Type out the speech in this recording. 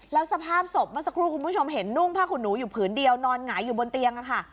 แล้วสภาพศพเมื่อสักครู่คุณผู้ชมเห็นนุ่งผ้าขุนหนูอยู่ผืนเดียวนอนหงายอยู่บนเตียงค่ะ